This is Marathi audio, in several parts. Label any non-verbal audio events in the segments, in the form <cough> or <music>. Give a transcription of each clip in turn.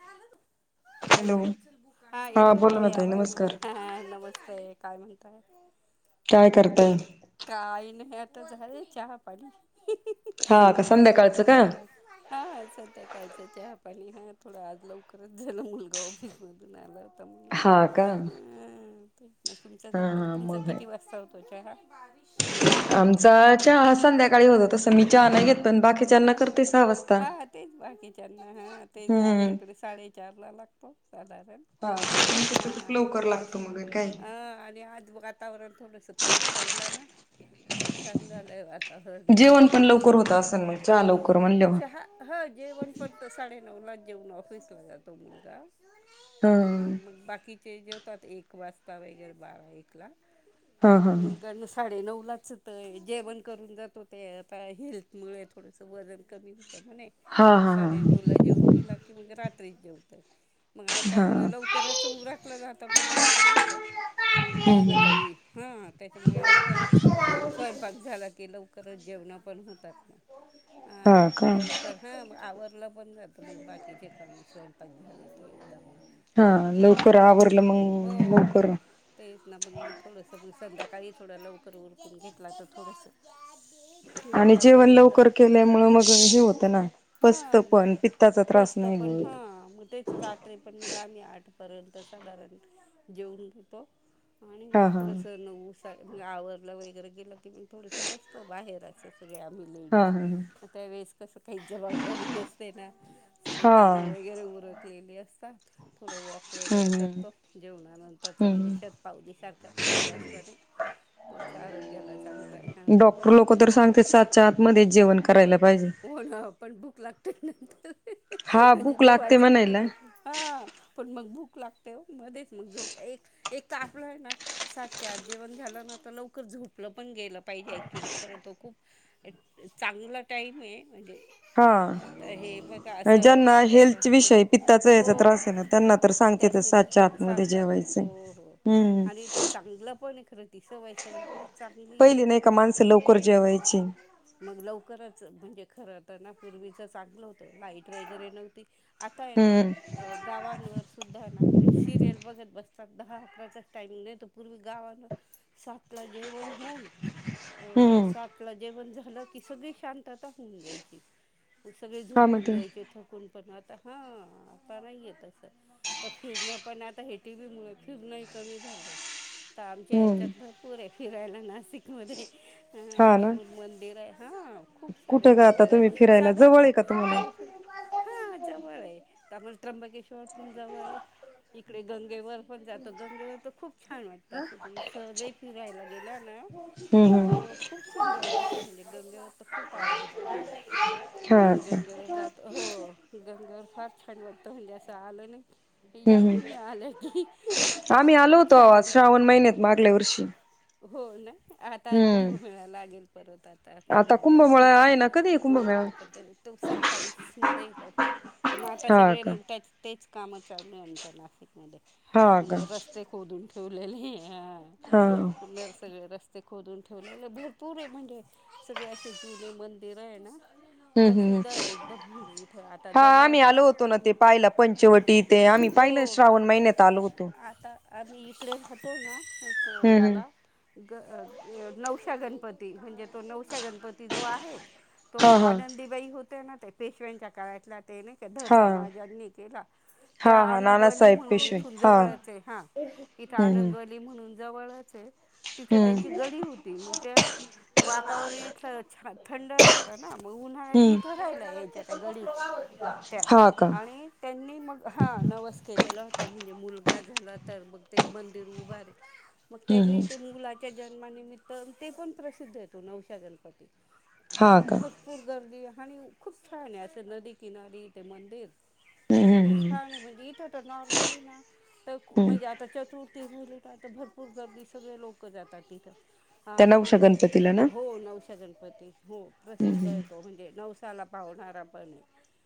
हल हॅलो हा येतोय बोला ना तई ताई आवाज नमस्कार ह नमस्ते काय म्हणताय काय करताय काही नाही आता झा चहा पडी हा का चहा संध्याकाळचं पाणी का झालं हा सत्या कयचं चहा पाणी हा थोडा आज लवकरच झाला मुलगा ऑफिस मधून आला होता हा का ह तुम हा हा तुमचा मग किती आहे वाजता हो तो हा आमचा चहाा संध्याकाळी होतो तसं मी चहाना घेतो आणि बाकीच्याना करते सहा वाजता बाकीच्याना हा ते हम्म आमच्याकडे साडेचार ला लागतो साधारण हा अ तुमच लवकर आज लागतो मग काय अ आणि आज वातावरण थोडस पाऊस पडला छान झालंय जेवण एकदम पण लवकर होत असेल मग चहा लवकर म्हणल्यावर चहा ह जेवण पण त साडे े ऑफिसला जातो मुगा आणि बाकी जेवतात एक वाजता वगैर बारा एक ला हा हा हा साडे नऊ लाच होतय जेवण करून जातो ते आता हेल्थ मु थोडसं वजन कमी हो म्हणे हा हा हा हा साडे नऊ ला जेऊन गेला की म्हणजे रात्री जेवतय मग हा हा त्यामुळे लवकरच उडटलं जात पण एक बरं होतं हम्म काही हा लवकरच स्वयंपाक झाला की लवकरच जेवणा पण होतात ना हा लवकर हा आवरलं पण जात मग बाकीचे काम स्वयंपाक झाले. क एकदमत हा लवकर आवरलं मंग हो लवकर. तेच ना मग थोडंसं मग संध्याकाळी थोडं लवकर उरकून घेतला तर थोडस आणि जेवण लवकर केल्या मुळे मग हे होतं ना पस्त हा मग पण पित्ताचा त्रास बसत नाही होत पण हा मग तेच रात्र पण मग आम्ही आठ पर्यंत साधारण जेवन घेतो हा हा. आवरला वगैरे गेलं की म थोडस बसतो बाहेर असं सगळे आम्ही लेडीज हा हा त्या वेळेस कसं काही जबाबदारी नसते ना सगळे काम हा वगैरे उरकलेली थोडं वॉक वगैरे हम्म करतो हम्म जेवणानंतरचा म्हणजे हम्म शेतपावलीसारखा खूप जास्त नाही तोच आरोग्याला चांगला आहे हा डॉक्टर लोक तर सांगते सातच्या आत मध्ये जेवण करायला पाहिजे. होन पण भुक लागते नंतर. हा म्हणजे भूक लागते जेवायचा म्हणायला प्रयत्न कर हा पण मग बुक लागते मध्येच मग जोप एक काला आहे ना साातच्या आत जेवण झालं ना आता लवकर झोपलं पण गेलं पाहिजे ऍक्च्युली खर त खूप चांगला टाईम ये म्हणजे. आता हे बघा हा असं ज्यांना त्याच्या हेल्थ विषयी पित्ताच याचा हो त्रास आहे ना त्यांना तर सांगते त्याने तर सातच्या आत खरंच मध्ये सांगतात जेवायचं हो हो हम्म आणि ते चांगलं पण खरं दिसवाय स ना चांगली पहिली आहे नाही का माणसं लवकर जेवायची. मग लवकरच म्हणजे खर तर ना पूर्वीच चांगलं होत लाईट वगैरे नव्हती आता आहे ना हम्म गावांवर सुद्धा ना ते सिरियल बगर बसतात दहा अकराचा टाइमंग नाही तर पूर्वी गावान सात ला जेवण होऊन हम्म सातला आपलं जेवण झालं ती सगळी शांतता होऊन जायची सगळे हा मग झोपून ते जायचे थकून पण आता हा आता नाही आहे तस फिरण पण आता हे टी व्ही मुळे फिरणं कमी झालं तर आमच्या हम्म याच्यात भर पुरे फिरायला नत नाशिक कमध्ये हा ना भरपूर मंदिर आहे हा खूप सारे मंदिर आहे सादा क तु म्हला हा जवळ आहे त्या मुळे आहे त्र्यंबकेश्वर पण जवळ इकडे गंगेवर पण जातो गंगेवर तर खूप छान वाटत असं तुम्ही सहज फिरायला गेला ना हम्म हम्म तर खूप सुंदर वाटत म्हणजे गंगेवर तर खूप आवडतं आम्हाला हा का गंगेवर जात हो गंगेवर फार छंड वाटत म्हणजे असं आलं नाही हम्म या हम्म. तुम्ही आलया की त छान आहे श्रावण महिन्यात मागल्या वर्षी हो नाही आता हम्म कुंभमेळा लागेल परत आ आता कुभमेळा म आहे ना कघी हो पण तो सत्तावीस मध्ये येतो पण आता हा सगळे का मग त्या तेच काम चालू आहे आमच्या नाशिकमध्ये हा का पूर्ण रस्ते खोदून ठेवलेले आहे हा नर सगळे रस्ते खोदून ठेवलेले भरपूर म्हणजे सगळे असे जुनी मंदिर आहे ना हम् प्रसिद्ध ह् आहे एकदम म्हणजे इथं आता हा आम्ही आलो होतो जवळच ना ते पाहिला पंचवटीथे हो आता आम्ही इकडे राहतो ना हम्म हम्म याला नवशा गणपती म्हणजे तो नवशा गणपती जो आहे तो हा हा आनंदीबाई होते ना ते पेशव्यांच्या काळात हा <unintelligible> त्या हा हा आनंदवली नानासाहेब म्हणून पेशवे इथून हा जवळचे हा इथे हम्म हम्म आनंदवली म्हणून जवळचे तिथं हम्म त्यांची गडी होती मग त्या वातावरण इथछ थंड राहतं ना मग उन्हाळ्यात हम्म इथे राहियला यायच्या त्या गडीत त्या हा का हम्म आणि त्यांनी मग हा नवस केलेला होता म्हणजे मुलगा झाला तर मग ते मंदिर उभारे हम्-हम, च्या जन्मानिमित्त ते पण प्रसिद्ध येतो नवशा गणपती. हा का हम्म भरपूर गर्दी आहे. आणि खूप छान आहे, असं नदी किनारी ते मंदिर हम्म आणि हम्म. छान आहे म. हणजे इथं तर नॉर्मली ना तर हम्म म्हणजे आता चतुर्थ ते झाहिले का आ तर भरपूर गर्दी सगळे लोक जातात तिथं त्या नवशा आणि गणपतीला ना हो नवसा गणपती हो प्रसिद्ध आहे तो म्हणजे नवसा ला पाहणारा पण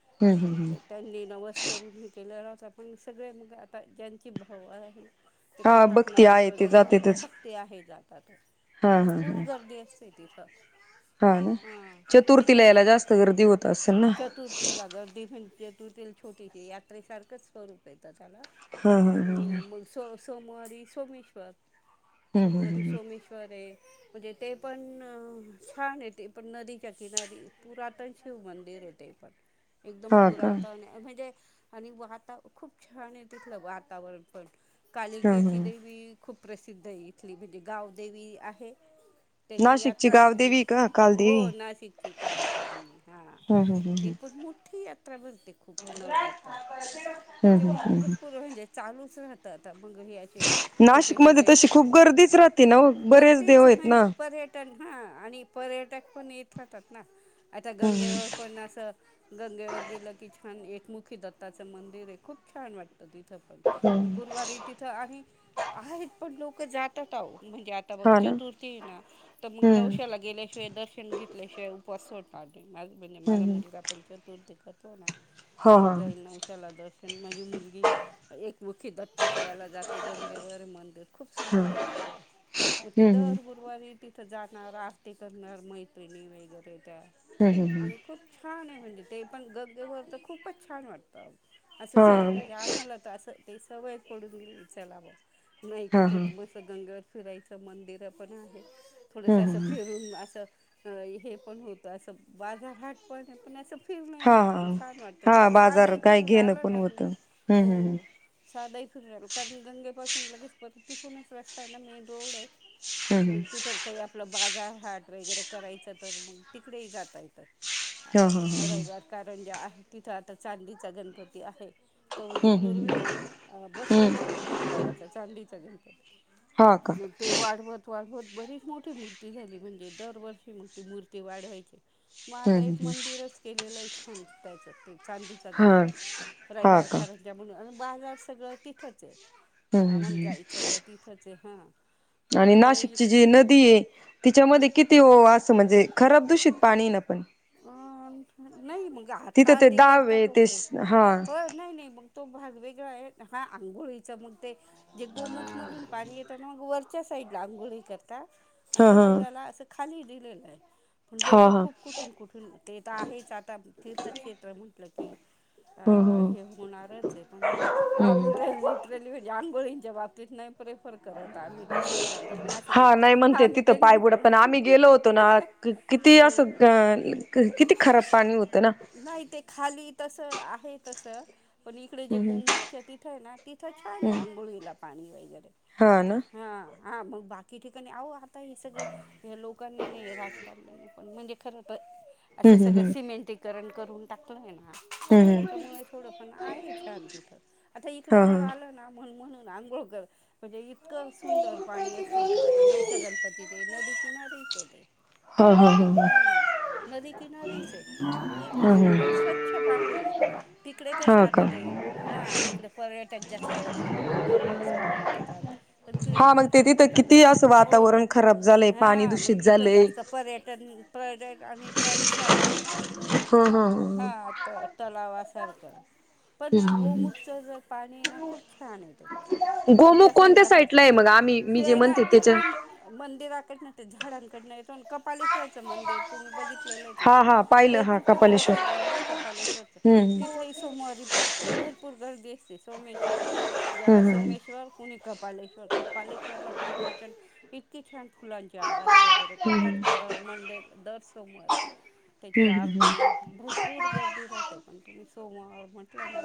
हम्म हम्म म्हणजे हम्म ते त्यांनी नवस करून केलेला आता पण सगळे मग आता ज्यांची भाव आहे. हा बघती आहे ते जाते व भक्ते आहे जातात हा भरपूर हा गर्दी असते तिथ हा ना चतुर्थीला तिथं यायला जास्त गर्दी होत असेल ना, छटी याेसार स्वरूप य त्याला, हा हा हा ह हम मग स्वरू सोमवारी सोमेश्वर हम्म हम्म सोमवारी हम्म सोमेश्वर आहे. म्हणजे ते पण छान आहे ते पण नदीच्या किनारी पुरातन शिव मंदिर, पण एकदम हा का पुरात म्हणजे आणि वाता खूप छान आहे तिथलं वातावरण पण हा हा कालिकेची देवी खूप प्रसिद्ध आहे इथली म्हणजे गावदेवी आहे. त्याची नाशिकची यात्रा खूप गावदेवी का हो कालदेवी नाशिकची काली कध हा, हम् हम् हम् तीपत माठी आ त्याच्यामुळे भरपूर म्हणजे <unintelligible> चालूच राहत आता मंग हचे छोट मध्ये तशी खूप गर्दीच राहती ना बरेच देवत ना, ह आणि पर्यटक पण यथ रातात ना, आता हम्म गंगेवर पण असं गंगेवर गेलं की आणिान एकमुखी दत्ताचं मंदिर हे खूप छान वाटत, तिथ पण गुरुवारी तिथं आहे आहेत पण लोक जातात आहो म्हणजे आता मघ हा ना चतुर्थी आहे ना तर मग हम्म नवश्याला गेल्याशिवाय दर्शन घेतल्याशिवाय पसव ट माझ म्हणजे माझा हम्म मुलगा पण चतुर्थी करतो ना, हम् हा तू हा जाईल ना उशाला दर्शन माझी मुलगी एक मुखी दत्ताच्या याला जाते गंगेवर मंदिर खूप हा सुंदर मंदिर आहे मग ती हम्म दर गुरुवारी तिथ आरती करणार मैत्रिणी वगैरे त्या हम्म हम्म हम्म आणि खूप छान म्हणजे ते पण गग्गेवर तर खूपच छान वाटतं असं हा सर म्हणजे आम्हाला तर असं ते सवय पडून दिली चलावं नाही हा हा कुठेेत मस गंगे सुुराईचं मंदिर पण आहे थोडस हम्म असं हम्म फिरून असं हे पण होतं असं बाजा हट पण आहे पण असं फिरणंही होतं हा-हा आणि छान वाटतं हा! तिथं बाजार साधंही काही फिरून घेणं पण होतं, हम्म हम्म् साधही फिरल कारण गंगे पाासून लगेच प तिथूनच रस्ताय ना मेन रोडय मग तिथं काही आपलं बाजार हट वगैरे करायचं तर मग तिकडेही जाता येतं हम्म रविवार कारण जे तिथं आता चांदीचा गणपती आहे. तो म्हणजे पूर्वी हम्म ना हम्म बसवायचे तो मंडळाचा चांदीचा गणपती. हा हा हा हम्म हम्म हम्म हा का ते वाढवत वाढवत बरीच मोठी मूर्ती झाली म्हणजे दरवर्षी मग ती मूर्ती वाढवायची मग आता हम्म एक हम्म मंदिरच केलेलं आहे छान त्याच चांदीचा हम्म गणपती हा हा का रवारथणच्या म्हणून आणि बाजार सगळं तिथंच आहे हम्म हम्म आमाला हम्म जायच तर तिथचय हा आणि नाशिकची जी नदी आहे तिच्यामध्ये किती ओ असं म्हणजे खराब दूषित पाणी न पण अ नाही मग आता तिथं ते दाव करतात आहे ते क्लिन हा हो नाही नाही मग तो भाग वेगळा आहे हा आंघोळीचा मग ते जे गोमुख मधून पाणी येत त्या मग वरच्या साईडला आंघोळी करता आणि हा हा दहाव्याला असं खाली दिलेलं आहे पण हा लोकं हा खूप कुठून कुठून ते तर आहेच आता तीर्थक्षेत्र म्हंटलं की अ ह ह हे होणारच आहे पण आम्ही हम्म तर लिटरली आंघोळीच्या बाबतीत नाहीे प्रेफर करत आम्ही तर सहसा जे नाशिक हा नाही मध्ये म्हणते आम्ही तिथं तेच पायबुडा म्हणतो पण आम्ही गेलो होतो ना किती किती हं असं अं किती खराब पाणी होत ना नाही ते खाली तसं आहे तस पण इकडे जे गोमुख तिथं आहे ना तिथं छान आहे हम् आंघोळीला पाणी वय हा ना हा मग बाकी ठिकाणी आहो आता हे सगळं या लोकांनी ना राजकारण पण म्हणजे खरं तर हम्म असं सगळं हम्म सिमेंटीकरण करून टाकलाय ना हम्म हम्म हम्म त्याच्यामुळे थोडं पण आहे छान तिथ आता इकडे हा जर हा आलं ना म्हणून आंघोळ म्हणजे सुंदर पाणी असतं इकडे आता नौसा गणपती ते नदी किनारीचय ते हम् हम् हम् बा हम्म नदी किनारीचय मग इतकं सुंदर हम्म स्वच्छ पाणी आहे तिकडे हा कसं का आता ते हा तडे पर्यट जास्त ते लोक कपडे सोडून जातात पण हा क्लीन मग ते करत तिथं राहतात किती असं वातावरण खराब झालंय पाणी हा मग दूषित जिथ झालंय जास्त पर्यटन पर्यट आणि टँक सारखं आहे हा हा ना हा तलावा सारख पण हा गोमुखच जर पाणी ना खूप छान य ते गोमुख वरच्या कोणत्या साईडला क आहे मग आम्ही मी जे ते ना म्हणते त्याच्या तिकडून मंदिराकडना झाडांकड नाही कपालेश्वरचं मंदिर तुम्ही बघितलेलंच हा इथं हा पाहिलं ते हा पण खूप कपालेश्वर प्रसिद्ध आहे हा कपालेश्वर हम्म तिथेही सोमवारी भरपूर गर्दी असते सोमेश्वर ज्याला हम्म हम्म सोमेश्वर कुणी कपालेश्वर कपालेश्वरला पण प्रचंड इतकी छान फुलांची आरास वगैरे करतात ना दर मंडे दर सोमवारी त्याची हम्म हम्म आरती भरपूर गर्दी राहते पण तुम्ही सोमवार म्हटलं ना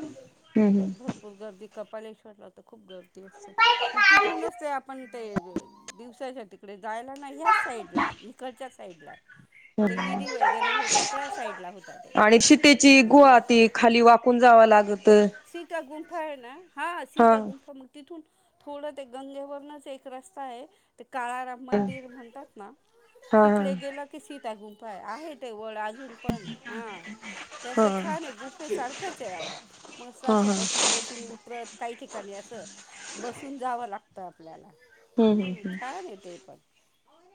हम्म हम्म भरपूर गर्दी कपालेश्वरला तर खूप गर्दी असते मग तिथूनचते आपण दिवसाच्या तिकडे जायला ना ह्याच साईड ला आहे इकडच्या साईड ला आहे आणि ते विधी वगैरे होता त्या साईडला होता आणि शीतेची ते गुहा याच्या ती खाली वाकून जा कवालागत सीता गुंफा आहे ना हां सीता गुंफा मग तिथून थोडं ते गंगेवरूनच एक रस्ता आहे काळाराम मंदिर म्हणतात ना हा हा तिकडे गेलं की सीता आहे गुंपाय आहे तेवळ पण हा तस हा हा छान आहे गुफे सारखंच आहे मस्त हा असं हा बसून बसून उतरत काही ठिकाणी असं बसून जावं लागत आपल्याला. हम्म छान य ते पण.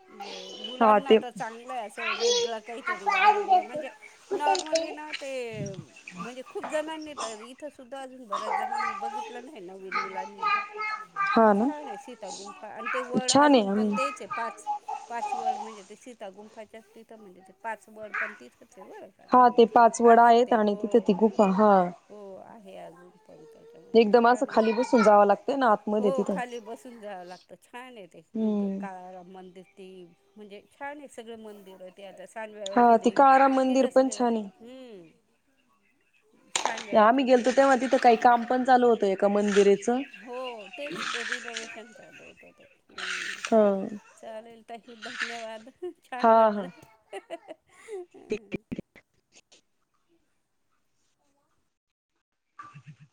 म्हणजे हा मुलांना ते तर चांगलं आहे असं वेगळं काहीतरी अनुभव म्हणजे नॉर्मली ना. ते म्हणजे खूप जणांनी तर इथं सुद्धा अजून बऱ्याच जणांनी. बघितलं न्ही नवीन मुलांनी. पण हा ना छानये सीता गुंफा आणि ते वड छान अजून आहे पण आम्ही तेचय पाच. पाचवड म्हणजे ते सीतागुंफाच्या तिथं म्हणजे ते पाचवड पण तिथं. ते बरं हा ते पाच का वड आहेत ते आणि हो तिथे ती गुफा हा हो आहे. हे अजून प एकदम असं खाली बसून जावं लागतं. हो खाली बसून जावं लागतं छानये ते हम्म काळाराम मंदिर ते म्हणजे छान एक सगळ मंदिर ते आता खांडव्यावरची हा ती देवी काळाराम मंदिर तिथे पण सगळे ज छान आहे हम्म. सांडव्यावरची आम्ही गेलतो देवी तेव्हा तिथं काही काम पण चालू होतं एका मंदिरेत हो तेच रिनोवेशन चालू होत ते हम्म हा चालेल. ताई धन्यवाद छान हा हा वाटलं. <unintelligible>